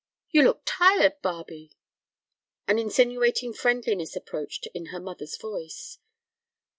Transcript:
"You look tired, Barbe?" An insinuating friendliness approached her in the mother's voice.